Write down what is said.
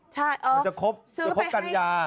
มันจะครบกันยา